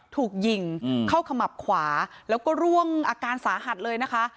ถูกยิงเข้าขมับขวาแล้วก็ร่วงอาการสาหัสเลยนะคะ